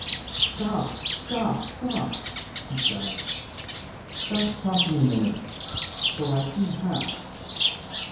"Stop, stop, stop!" he cried; "stop talking a minute, for I see half.